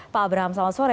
pak abraham selamat sore